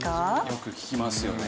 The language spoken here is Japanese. よく聞きますね。